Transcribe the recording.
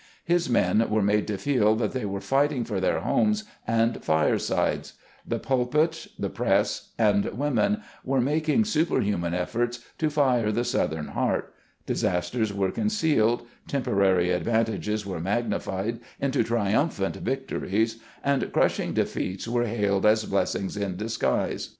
His men were made to feel that they were fighting for their homes and firesides ; the pulpit, the press, and the women were making superhuman efforts to "fire the Southern heart" ; disasters were concealed, temporary advantages were magnified into triumphant victories, and crushing defeats were hailed as blessings in disguise.